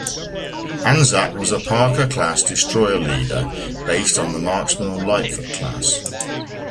"Anzac" was a "Parker"-class destroyer leader, based on the "Marksman" or "Lightfoot" class.